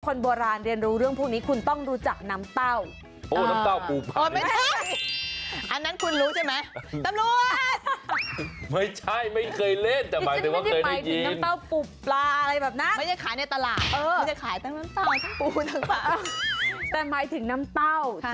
คนโบราณเรียนรู้เรื่องพวกนี้คุณต้องรู้จักน้ำเต้า